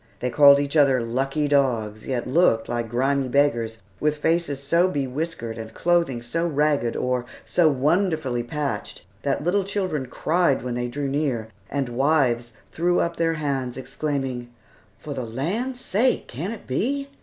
They called each other "lucky dogs," yet looked like grimy beggars, with faces so bewhiskered, and clothing so ragged, or so wonderfully patched, that little children cried when they drew near, and wives threw up their hands, exclaiming, "For the land's sake! can it be?"